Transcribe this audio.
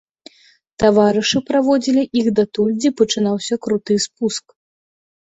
Таварышы праводзілі іх датуль, дзе пачынаўся круты спуск.